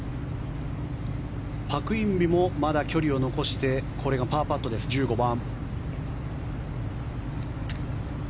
パク・インビもまだ距離を残してこれがパーパットです、１５番。